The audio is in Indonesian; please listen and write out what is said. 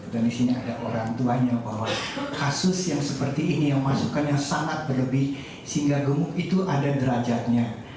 dan disini ada orang tuanya bahwa kasus yang seperti ini yang masukkan yang sangat berlebih sehingga gemuk itu ada derajatnya